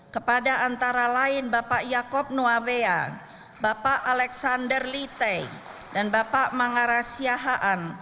kepada antara lain bapak yaakob nuavea bapak alexander lite dan bapak mangara siahaan